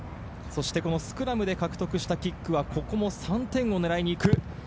スクラムで獲得したキックはここも３点を狙いに行く。